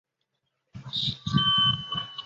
我愿永远沈溺其中